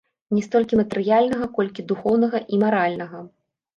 Не столькі матэрыяльнага, колькі духоўнага і маральнага.